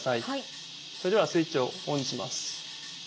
それではスイッチをオンにします。